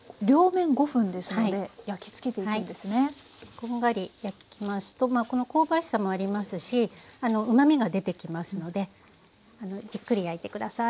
こんがり焼きますとこの香ばしさもありますしうまみが出てきますのでじっくり焼いて下さい。